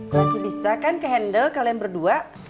masih bisa kan ke handle kalian berdua